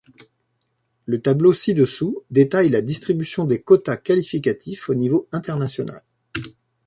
Le tableau ci-dessous détaille la distribution des quotas qualificatifs au niveau international.